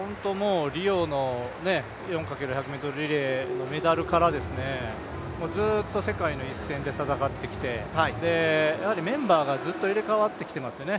リオの４×４００ｍリレーのメダルからずっと世界の一線で戦ってきて、ずーっとメンバーが替わってきていますよね。